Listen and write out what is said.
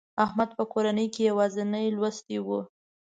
احمد په کورنۍ کې یوازینی لوستي و.